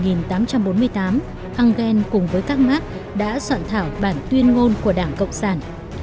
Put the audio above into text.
engel cùng với các mark đã soạn thảo bản tuyên ngôn của đảng cộng sản